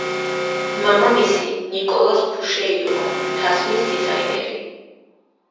მამამისი ნიკოლას ბუშე იყო თასმის დიზაინერი.